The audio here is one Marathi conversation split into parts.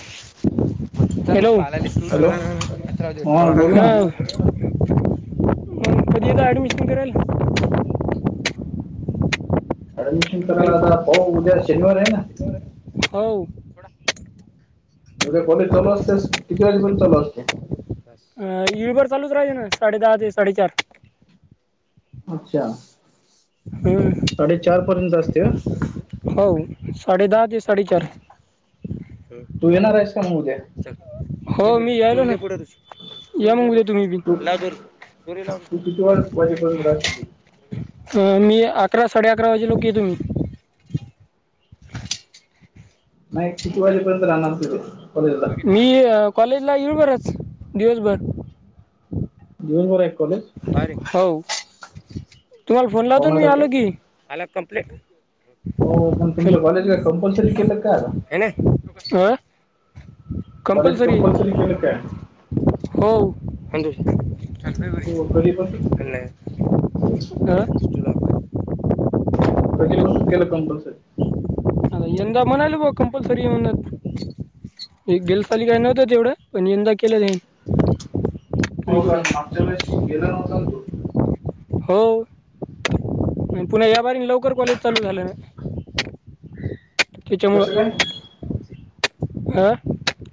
भेटतो हॅलो [inaudible] हॅलो हा मंग बोल ना कधी येतय ॲडमिशन करयाला. [inaudible] ऍडमिशन करायला हॅलो आता भाऊ उद्या शनिवार हाय ना. हो. [unintelligible] मले कॉलेज समजतेस किती वाजेपर्यंत चालू असते. अ युबर चालूच राहिन ना, साडे दहा ते साडे चार. अच्छा. हय. साडे चार पर्यंत असते हा. होव साडे दहा ते साडे चार. तू येणार आहेस का म उद्या. सक हो मी यायलो ना [inaudible] पुढे तशी या मंग उदया तुम्ही बी तू लाव दोरी दोरी तू किती वा लावरे. वाजेपर्यंत राहशील तिथे? [inaudible] अ मी अकरा साडे अकरा वाजे लोक येतो मी. नाही किती वाजेपर्यंत राहणार तु बे. मी कॉलेजला येईल बरंच दिवसभर. [inaudible] दिवसभर हाय कॉलेज? काय रे हव तुम्हाल फोन लावतोन पावणा मी तास आलो की. आला कंप्लेट. हो पण तुमचं कॉलेज का कंपल्सरी केलं का आता. ये ने [unintelligible] तू कस कॉलेज कंपल्सरी के नाही काय? हो. [unintelligible] टाकता हो कधीपासून व्हिडोओअ लयअ. [inaudible] कधीपसून केलं कंपल्सरी. अ यंदा म्हणाले भो कंपल्सरी हे म्हणे. एक गेल सााली काय नव्हत तेवढं पण यंदा केलं त्यांनी. अ हो कारण मागच्या वेळेस गेला नव्हता न तु. हो. आण पुन्हा याबारीन लवकर कॉलेज चालू झालं. त्याच्यामुळं कसं काय अं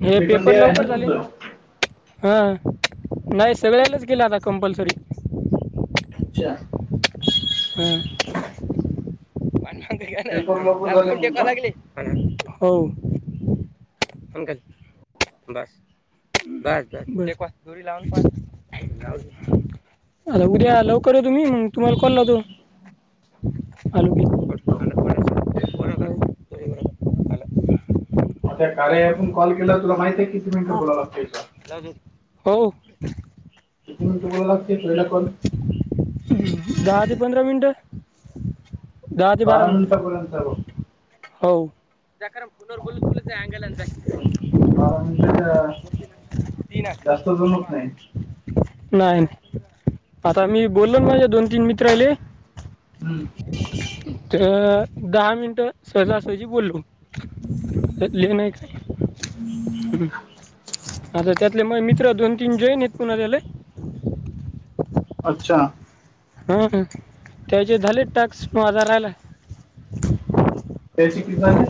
हे सेकंड पेपर इयर आहे ना लवकर झाले. तुमचं ह नाही सगळ्यालाच केल आता कम्पल्सरी. अच्छा. ह पेपर लवकर झाले म्हणून टेकवा का लागली. [unintelligible] हो आण काय सका बस. [inaudible] बस बस क दोरी लावून क ला [unintelligible] अरे उद्या लवकर येतो मी मंग तुम्हाल कॉल लावतोल आलो मी. अ त्या कार्यातून कॉल केला तुला माहितये किती मिनिटं बोलाव लागतेय. [unintelligible] लाव दो हो. तिथन मी तुमला लागते तु कल [unintelligible] दहा ते पंधरा मिनट. दहा ते बारा मिनिटापर्यंत आहे बघ. मिनिट हो बारा मिटच्या. जास्त जमत नाही. नाही नाही नाही. आता मी बोललो ना माझ्या दोन तीन मित्र आले. हम्म. तर दहा मिनिट सहजासहजी बोललू! ल नाही का? हम्म आता त्यातले मग मित्र दोन तीन जईन आहेत पुन्हा त्याले? अच्छा. हा त्याचे झाले टॅक्स आजा राहायला् त्याची कि झाले.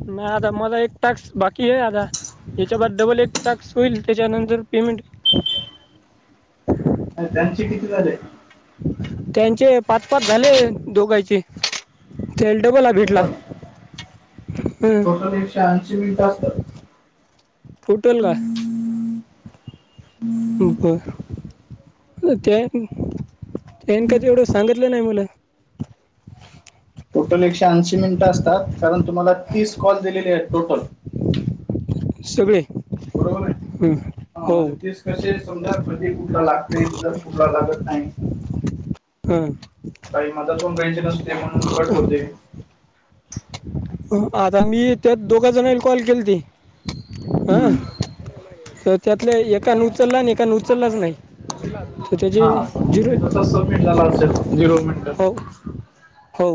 नाही आता मला एक टक्स बाकी आहे आता. याच्या बा डबल एक टाक्स होईल त्याच्यानंतर पेमेंट. त्यांचे किती झाले? त्यांचे पाच पाच झाले दोघांचे. तेलडबल भेटला. एके ऐंशी मिनिटं असतात. फुटल का? बर. तेन तेन का ते एवढं सांगितलं नाही मुलं. टोटल एकशे ऐंशी मिनिटं असतात कारण तुम्हाला तीस कॉल दिलेले आहेत टोटल. सगळे. बरोबर आहे हं. हा हो म्हजे तेच. कसे समजा कधी कुठला लागते जर कुठला लागत नाही. हम. काही मतातून रा्यायचे नसते म्हणून कट होते. आता मी त्यात दोघा जणांला कॉल केल ते हं हम्म तर त्यातल्या एकान उचलला आणि एका उचललाच नाही. तर त्याचे हा म्हग झिरो ते तसच सबमिट झाला असेल झिरो हो मिनिटात. हो.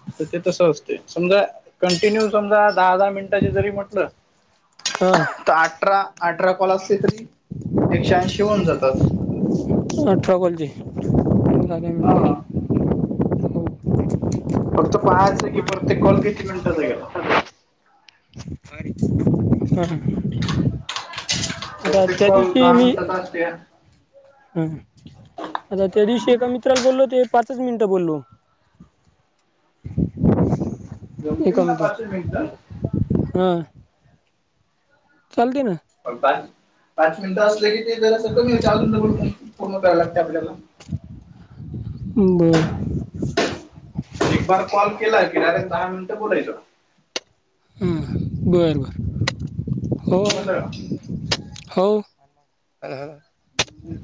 तर ते तस असते समजा‌. कंटीन्यू समजा दहा दहा मिनटा जरी म्हटलं हा तर अठरा. अठरा कॉल असले तरी एकशहा ऐंशी होन जातात. अठरा कोलची. हा. फक्त पाहायचं की परत्य कॉल किती मिनिटचा आहे गला. ह आता त्या दिशी मी. दते. हा आता त्या दिवशी एका मित्राला बोलल होत. पाचच मिनटं बोललो. जमते एककाम मला पाचशे मिनिटं क हा. चलते ना. पण पा पाच मिनिटं असले की ते जराचं कमी होते अजून पूर्ण करायला लागते आपल्याला. बरं. एक बार कॉल केला कि अरन दहा मिनिटं बोलायचं. हा बरं बरं समजलं का? हो. हो.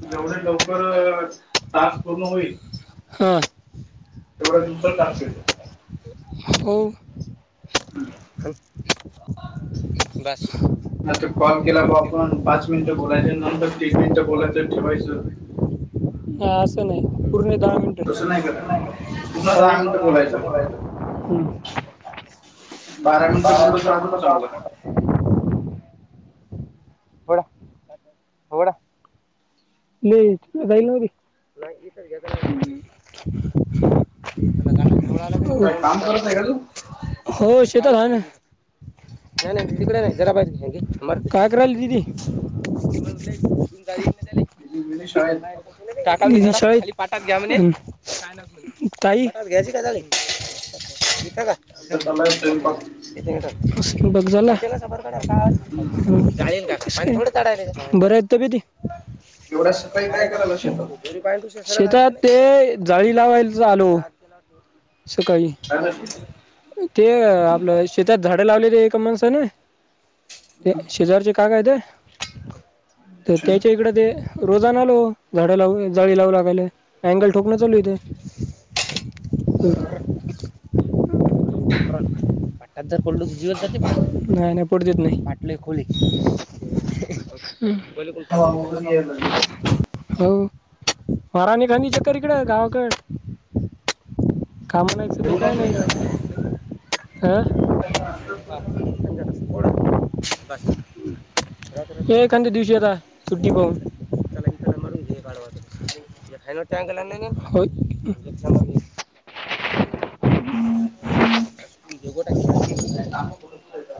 जेवढे लवकर तास पूर्ण होईल. हा. तेवढं तुमं का. हो. हम् [unintelligible] आता कॉल केला ग आपण पाच मिनिटं बोलायच नंतर तीन मिनिटं बोलायचं ठेवायचं. हा असं नाही पूर्ण दहा मिनट तसं नाही करत पूर्ण हो.. दहा मिनिटं बोलायचं हम्म. बारा मिनिटं बोललं तर अजून चांगलं. नाही जाई नावी. [unintelligible] काय काम करत आहे का तू. हो शे तर राहान. न दि क जराबा मर का आग्रल ददी. [unintelligible] [unintelligible] ट पाठात घ्या म्हणे का. आता चाललाय स्वयंपाक हम्म. [unintelligible] [unintelligible] तबदी एवढा सकाळी काय करायला शेतो शेतात ते जाळी लावायला आलो सकाळी. [unintelligible] ते आपलं शेतात झाडं लावलेली आहे एका माणसाने. ते शेजारचे का काय ते तर त्याच्या हवा इकड ते. रोजाना आलो झाड लावू जाळी लावू लागायला अँगल ठोकण चालू इथे. [unintelligible] आठात जार पडल जीवत जाते नाही नाही पडतेच नाही पाटले खोली. बोल कोण पाहि वगैरे पाहि. यायला लागली. हो मारा आणि खानी चक्कर इकडे गावाकड. काम नाहीच बोलू ना देखाय नाही तुम्ही आता. अं. ह पाहा ह ख ज रसथडा. हेखद्या दिवशी आता सुट्टी पाहून. काढवा टकलाश. काय [unintelligible] भेटत नाही काम ब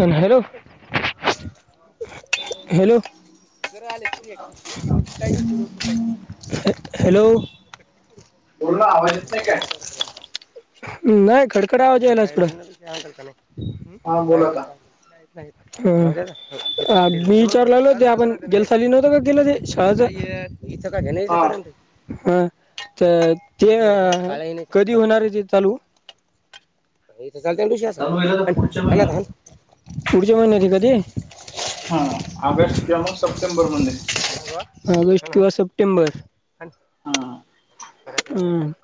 अ हॅलो! हॅलोरा आले. हॅलो! बोलं आवाज येत नाही काय? नाही खडकडा आवाजेला पुल हा बोल बार. आता ह ह मी विचारलालोते आपण गेल ली नव्हत का गेलं ते शाळा व का घ नाहीच हा करण त हं तर ते कधी होणार आहे ते चालू? थ चालते दिुष चालू होईल आता पुढच्या महिन्यात पुढच्या महिन्यात कधी. हा ऑगस्ट किंवा मग सप्टेंबरमध्येध्ये ऑगस्ट किंवा सप्टेंबर. हा हम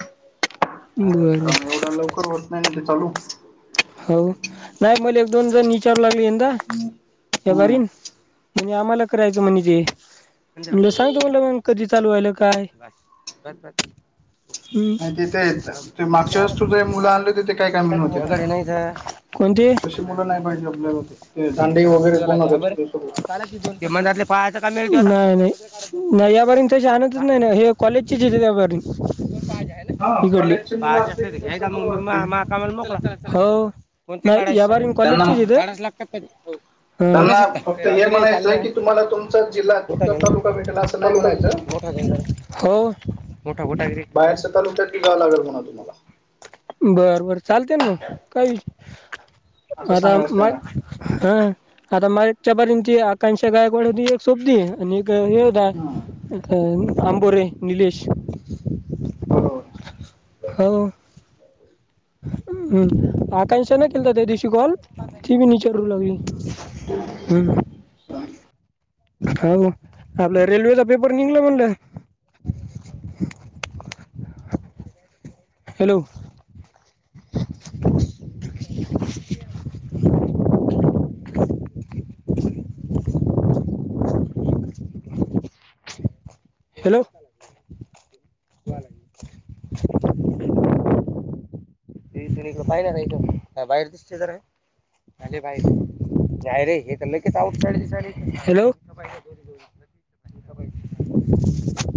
कारण एवढा लवकर होत नाही ना ते चालू. हो नाही मला एक दोन जण निचारू लागले यंदा या हम्म करीन म्हणजे आम्हाला करायचं म्हण तेे सांगतो म्हटला मग कधी चालू वहिलं काय बस ब नाही ते ते ते हम् मागच्या आला वेळेस तुझे मुलं आणले होते ते काय कामी होते ना अ कोणती तशी मुलं नाही पाहिजे आपल्याला ते. ते दांडे वगैरे कोण खराबे होता बर तुझ्यासोबत दोन ती मणातले पाहायता काळ नाही नाही यापर्यंत श आणतच नाही ना हे कॉलेजचेच त्यापर्यंत हा ह करडली कॉलेजची मुलं बाज असले की असस्ते हग आ कसं म बरं वाटते मम म हो या त्यांना कॉलेजचथ त्यांना फक्त हे शदरी म्हणायचं की चालठ तुम्हाला तुमचा जिल्हा मोठा तुमचा घ तालुका भेटेल असं नाही म्हणायचं हो मोठा मोठा ग ठोकाल बाहेरच्या तालुक्यात जावं लागेल म्हणा तुम्हाला बरं बर चालते ना मग काही असं आता सांगायचं म त्यांना हा आता म एकच्यापारीची आकांक्षा गायकवाड होती एक सोबदी आणि हे हम्म, अंबोरे निलेश बरोबर हो हम्म आकांक्षा न केलतात ते दिश कल त ब निच रू लागली ह हो आपल्या रेल्वेचा पेपर निघला म्हणलं हॅलो हॅलो त तिकडे पाहि ना नाही बाहेर दिसते जरा अरे भाई जाय रे हे तर लगेच आऊट साडे दिसने हॅलो